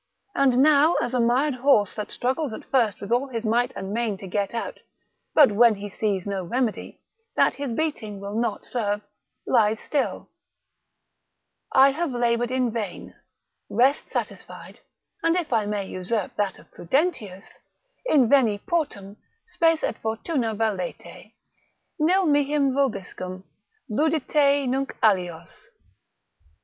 And now as a mired horse that struggles at first with all his might and main to get out, but when he sees no remedy, that his beating will not serve, lies still, I have laboured in vain, rest satisfied, and if I may usurp that of Prudentius, Inveni portum; spes et fortuna valete, Nil mihi vobiscum, ludite nunc alios.